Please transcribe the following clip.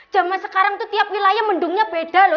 jaman sekarang tuh tiap wilayah mendungnya beda loh